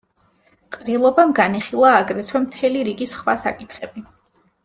ყრილობამ განიხილა აგრეთვე მთელი რიგი სხვა საკითხები.